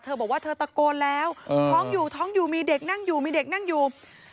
บอกว่าเธอตะโกนแล้วท้องอยู่ท้องอยู่มีเด็กนั่งอยู่มีเด็กนั่งอยู่